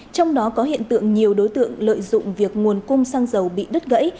trong đó có hiện tượng nhiều đối tượng lợi dụng việc nguồn cung xăng dầu bị đứt gãy